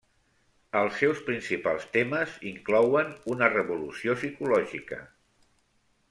Els seus principals temes inclouen una revolució psicològica.